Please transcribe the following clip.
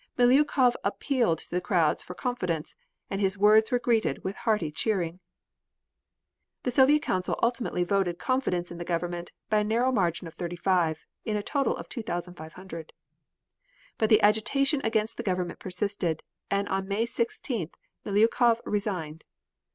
Miliukov appealed to the crowd for confidence, and his words were greeted with hearty cheering. The Soviet Council ultimately voted confidence in the government by a narrow margin of 35 in a total of 2,500. But the agitation against the government persisted, and on May 16th Miliukov resigned.